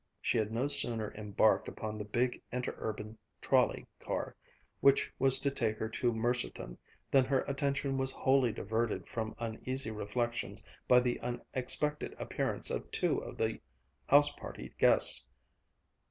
She had no sooner embarked upon the big Interurban trolley car which was to take her to Mercerton than her attention was wholly diverted from uneasy reflections by the unexpected appearance of two of the house party guests.